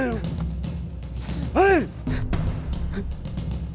อืม